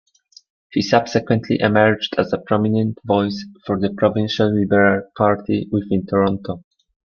He subsequently emerged as a prominent voice for the provincial Liberal Party within Toronto.